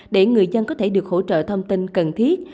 để người dân có thể được hỗ trợ thông tin cần thiết